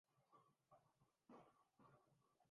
تو عوامی سطح پر کسی لمحے اضطراب پیدا ہو سکتا ہے۔